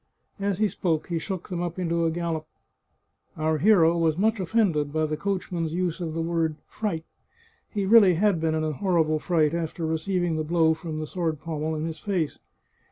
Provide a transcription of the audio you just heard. As he spoke he shook them up into a gallop. Our hero was much offended by the coachman's use of the word fright. He really had been in a horrible fright after receiving the blow from the sword pommel in his face.